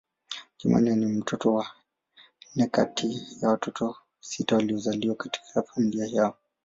Jumanne ni mtoto wa nne kati ya watoto sita waliozaliwa katika familia yao.